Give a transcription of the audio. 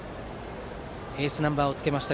エースナンバーをつけました